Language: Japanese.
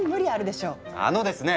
あのですね